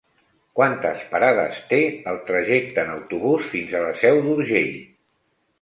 Quantes parades té el trajecte en autobús fins a la Seu d'Urgell?